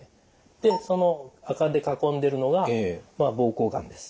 でその赤で囲んでるのが膀胱がんです。